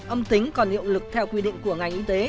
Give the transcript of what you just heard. âm tính còn hiệu lực theo quy định của ngành y tế